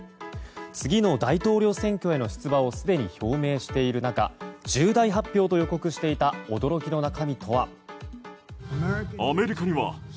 次の大統領選挙への出馬をすでに表明している中重大発表と予告していた驚きの中身とは？